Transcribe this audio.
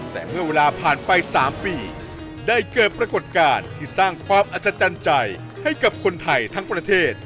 แต่เมื่อเวลาผ่านไป๓ปีได้เกิดปรากฏการณ์ที่สร้างความอัศจรรย์ใจให้กับคนไทยทั้งประเทศ